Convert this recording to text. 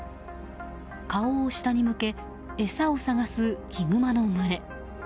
顔を下に向け餌を探すヒグマの群れ。